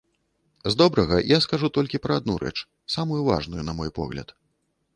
З добрага я скажу толькі пра адну рэч, самую важную, на мой погляд.